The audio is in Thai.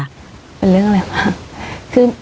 เป็นเรื่องอะไรบ้างคือ